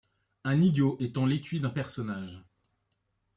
Un idiot étant-l'étui d'un personnage